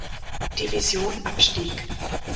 Division abstieg.